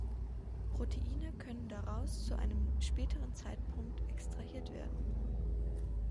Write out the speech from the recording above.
Proteine können daraus zu einem späteren Zeitpunkt extrahiert werden.